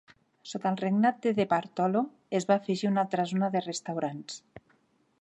Sota el regnat de DeBartolo, es va afegir una altra zona de restaurants.